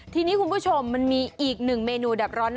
ทีนี้คุณผู้ชมมันมีอีกหนึ่งเมนูดับร้อน